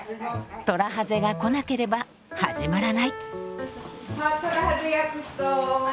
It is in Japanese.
トラハゼが来なければ始まらない。